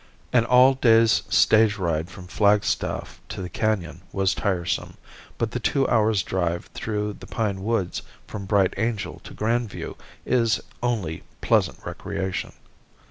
An all day's stage ride from Flagstaff to the canon was tiresome, but the two hours' drive through the pine woods from Bright Angel to Grand View is only pleasant recreation.